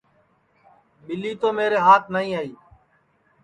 ٻیلی تو میرے ہات نائی آئی